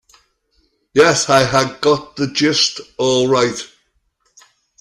Yes, I had got the gist all right.